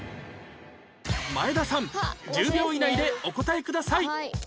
前田さん１０秒以内でお答えください